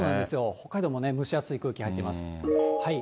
北海道も蒸しあつい空気入ってます。